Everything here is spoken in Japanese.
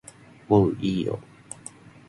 もういいよ